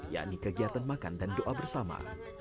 yakni kegiatan makan dan doa bersama